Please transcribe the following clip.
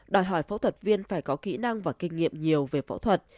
đòi hỏi phẫu thuật viên phải có kỹ năng và kinh nghiệm nhiều về phẫu thuật